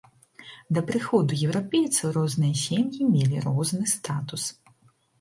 Да прыходу еўрапейцаў розныя сем'і мелі розны статус.